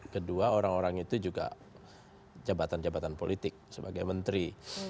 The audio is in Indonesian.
kedua orang orang itu juga jabatan jabatan politik sebagai menteri